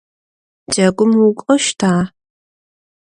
Джэгум укӏощта?